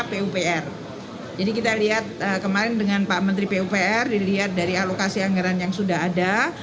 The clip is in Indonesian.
pupr jadi kita lihat kemarin dengan pak menteri pupr dilihat dari alokasi anggaran yang sudah ada